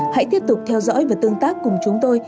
hãy tiếp tục theo dõi và tương tác cùng chúng tôi